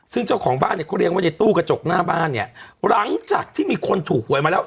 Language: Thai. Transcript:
ซึ่งเจ้าของบ้านเนี่ยเขาเลี้ยงไว้ในตู้กระจกหน้าบ้านเนี่ยหลังจากที่มีคนถูกหวยมาแล้ว